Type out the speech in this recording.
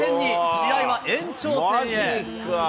試合は延長戦へ。